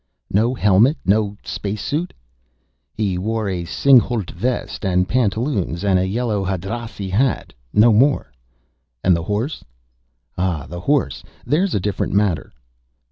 "No helmet, no space suit?" "He wore a short Singhalût vest and pantaloons and a yellow Hadrasi hat. No more." "And the horse?" "Ah, the horse! There's a different matter."